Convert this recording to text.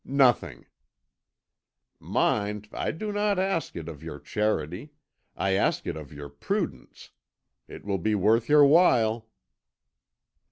"Nothing." "Mind I do not ask it of your charity; I ask it of your prudence. It will be worth your while."